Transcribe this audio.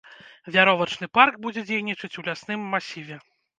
Вяровачны парк будзе дзейнічаць у лясным масіве.